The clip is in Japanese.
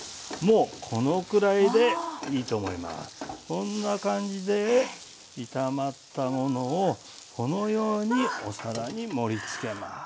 こんな感じで炒まったものをこのようにお皿に盛りつけます。